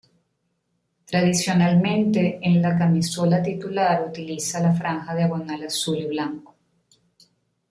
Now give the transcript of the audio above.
Tradicionalmente en la camisola titular utiliza la franja diagonal azul y blanco.